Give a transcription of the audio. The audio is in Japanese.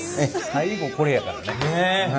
最後これやからね。